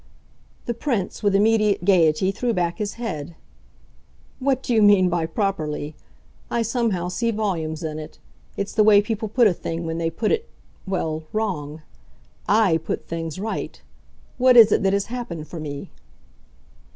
The Prince, with immediate gaiety, threw back his head. "What do you mean by 'properly'? I somehow see volumes in it. It's the way people put a thing when they put it well, wrong. I put things right. What is it that has happened for me?"